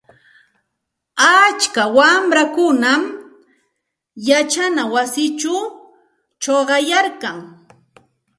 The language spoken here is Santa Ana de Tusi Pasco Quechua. Atska wamrakunam yachana wasichaw chuqayarkan.